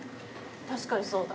確かにそうだ。